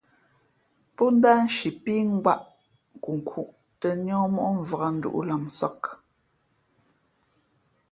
Pó ndáh nshi pí ngwáʼ nkunkhūʼ tᾱ níά móʼ mvǎk nduʼ lamsāk.